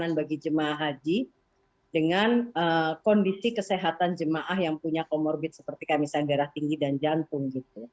dan makanan bagi jemaah haji dengan kondisi kesehatan jemaah yang punya comorbid seperti kan misalnya darah tinggi dan jantung gitu